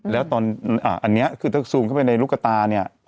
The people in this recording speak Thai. แล้วตอนอันนี้คือถ้าซูมเข้าไปในลูกกระตาเนี่ย